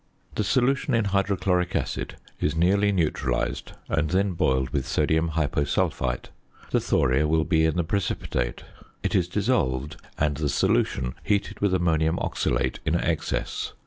The solution in hydrochloric acid is nearly neutralised and then boiled with sodium hyposulphite. The thoria will be in the precipitate. It is dissolved, and the solution heated with ammonium oxalate in excess.